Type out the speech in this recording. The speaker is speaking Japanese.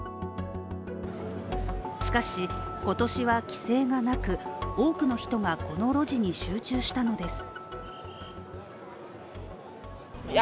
しかし、今年は規制がなく多くの人がこの路地に集中したのです。